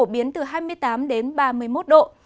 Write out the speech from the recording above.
hai mươi tám đến ba mươi một độ